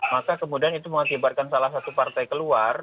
maka kemudian itu mengakibatkan salah satu partai keluar